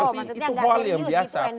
maksudnya gak serius itu